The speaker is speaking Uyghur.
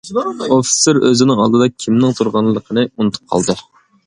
ئوفىتسېر ئۆزىنىڭ ئالدىدا كىمنىڭ تۇرغانلىقىنى ئۇنتۇپ قالدى.